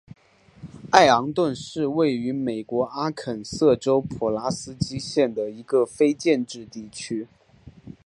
艾昂顿是位于美国阿肯色州普拉斯基县的一个非建制地区。